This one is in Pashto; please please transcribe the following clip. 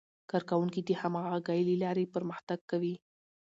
کارکوونکي د همغږۍ له لارې پرمختګ کوي